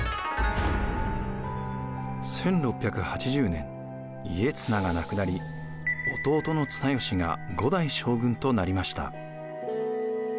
１６８０年家綱が亡くなり弟の綱吉が５代将軍となりました。